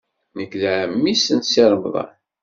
Nekk d ɛemmi-s n Si Remḍan.